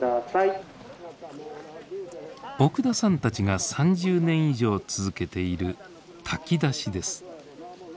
奥田さんたちが３０年以上続けている炊き出しです。